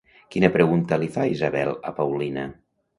Quina pregunta li fa Isabel a Paulina?